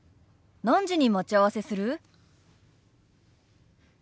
何時に待ち合わせする？